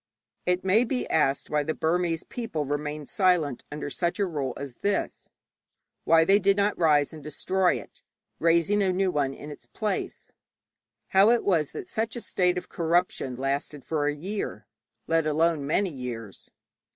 It may be asked why the Burmese people remained quiet under such a rule as this; why they did not rise and destroy it, raising a new one in its place; how it was that such a state of corruption lasted for a year, let alone for many years.